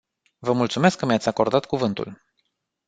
Vă mulțumesc că mi-ați acordat cuvântul.